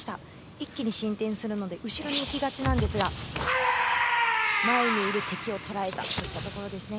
一気に進展するので後ろに行きがちなんですが前にいる敵を捉えたというところですね。